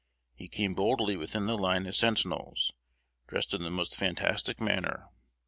He came boldly within the line of sentinels, dressed in the most fantastic manner.